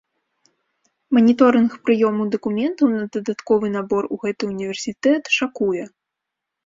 Маніторынг прыёму дакументаў на дадатковы набор у гэты ўніверсітэт шакуе!